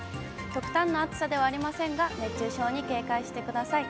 極端な暑さではありませんが、熱中症に警戒してください。